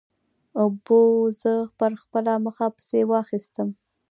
اوبو زه پر خپله مخه پسې واخیستم.